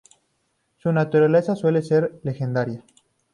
Su naturaleza suele ser legendaria.